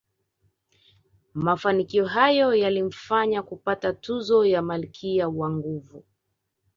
Mafanikio hayo yalimfanya kupata tuzo ya malkia wa nguvu